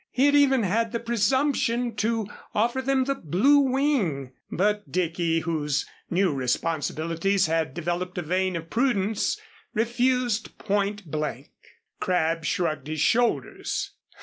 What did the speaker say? He had even had the presumption to offer them the Blue Wing, but Dicky, whose new responsibilities had developed a vein of prudence, refused point blank. Crabb shrugged his shoulders.